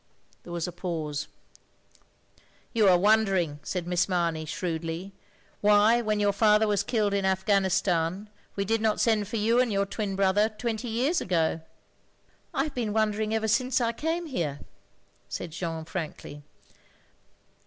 There was a pause. "You are wondering," said Miss Mamey, shrewdly, why when your father was killed in Afghanistan, we did not send for you and your twin brother, twenty years ago?" " I have been wondering ever since I came here," said Jeanne frankly.